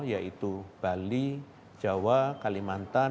yaitu bali jawa dan jawa yang berpengaruh untuk mengembangkan kesehatan